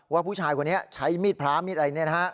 ว่าผู้ชายคนนี้ใช้มีดพระมีดอะไรเนี่ยนะฮะ